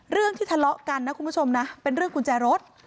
เรื่องที่ทะเลาะกันนะคุณผู้ชมนะเป็นเรื่องกุญแจรถ